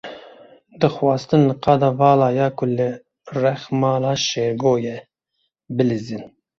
Dixwastin li qada vala ya ku li rex mala Şêrgo ye, bilîzin.